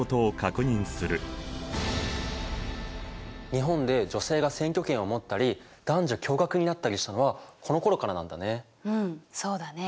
日本で女性が選挙権を持ったり男女共学になったりしたのはこのころからなんだね。